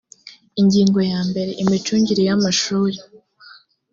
ingingo ya mbere imicungire y amashuri